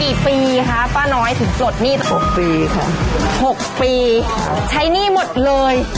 กี่ปีคะป้าน้อยถึงปลดหนี้หกปีค่ะหกปีใช้หนี้หมดเลย